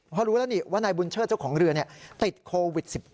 เพราะรู้แล้วนี่ว่านายบุญเชิดเจ้าของเรือติดโควิด๑๙